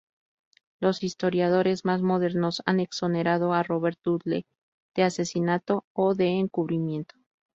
Los historiadores más modernos han exonerado a Robert Dudley de asesinato o de encubrimiento.